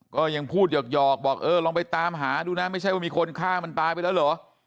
ก็ยังพูดหยอกบอกเออลองไปตามหาดูนะไม่ใช่ว่ามีคนฆ่ามันตายไปแล้วเหรอ